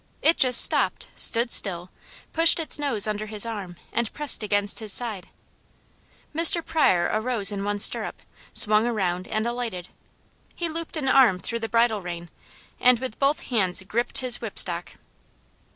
It just stopped, stood still, pushed its nose under his arm, and pressed against his side. Mr. Pryor arose in one stirrup, swung around and alighted. He looped an arm through the bridle rein, and with both hands gripped his whipstock.